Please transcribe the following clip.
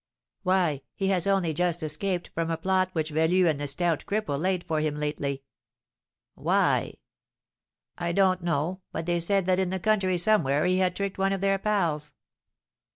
"Why, he has only just escaped from a plot which Velu and the Stout Cripple laid for him lately." "Why?" "I don't know, but they said that in the country somewhere he had tricked one of their pals."